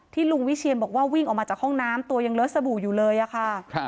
ลุงวิเชียนบอกว่าวิ่งออกมาจากห้องน้ำตัวยังเลิศสบู่อยู่เลยอะค่ะ